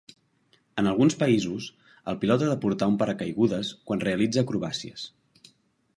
En alguns països, el pilot ha de portar un paracaigudes quan realitza acrobàcies.